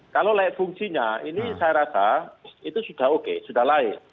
kalau layak fungsinya ini saya rasa itu sudah oke sudah layak